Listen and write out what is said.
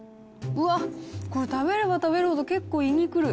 うわっ、これ、食べれば食べるほど、結構、胃に来る。